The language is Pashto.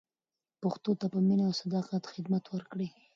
پښتو ته په مینه او صداقت خدمت وکړئ.